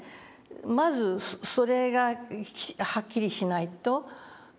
まずそれがはっきりしないとでしょうね。